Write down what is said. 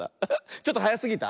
ちょっとはやすぎた？